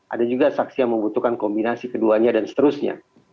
ada juga saksi yang membutuhkan kombinasi keduanya dan seterusnya